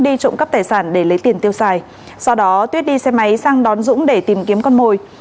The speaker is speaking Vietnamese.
đi trộm cắp tài sản để lấy tiền tiêu xài sau đó tuyết đi xe máy sang đón dũng để tìm kiếm con mồi